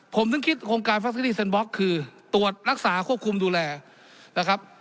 ผมถึงคิดโครงการคือตรวจรักษาควบคุมดูแลนะครับ